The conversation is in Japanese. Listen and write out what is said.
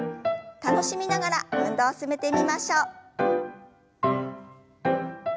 楽しみながら運動を進めてみましょう。